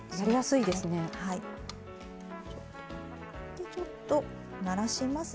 でちょっとならしますね。